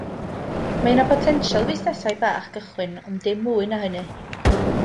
Mae yna botensial i fusnesau bach gychwyn ond dim mwy na hynny